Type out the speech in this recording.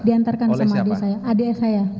diantarkan sama adik saya